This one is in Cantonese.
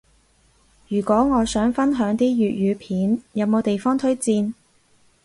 如果我想分享啲粵語片，有冇地方推薦？